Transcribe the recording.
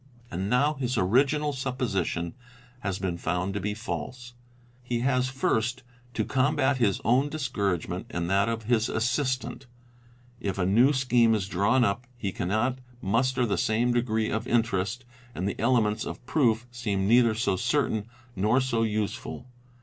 And now his original 8 THE INVESTIGATING OFFICER supposition has been found to be false; he has first to combat his own discouragement and that of his assistant: if a new scheme is drawn up he cannot muster the same degree of interest, and the elements of proof seem neither so certain nor so useful.